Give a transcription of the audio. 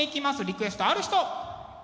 リクエストある人！